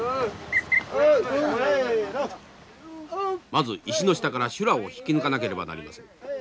まず石の下から修羅を引き抜かなければなりません。